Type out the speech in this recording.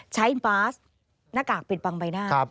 ใช้บาสหน้ากากปิดบังใบหน้า